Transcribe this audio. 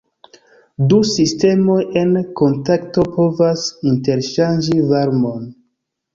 Du sistemoj en kontakto povas interŝanĝi varmon.